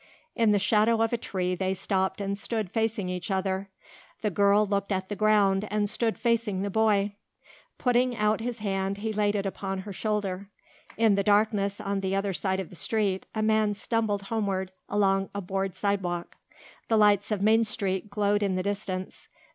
In the shadow of a tree they stopped and stood facing each other; the girl looked at the ground and stood facing the boy. Putting out his hand he laid it upon her shoulder. In the darkness on the other side of the street a man stumbled homeward along a board sidewalk. The lights of Main Street glowed in the distance.